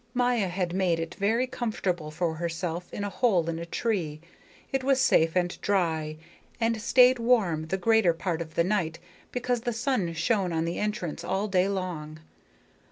Maya had made it very comfortable for herself in a hole in a tree. It was safe and dry, and stayed warm the greater part of the night because the sun shone on the entrance all day long.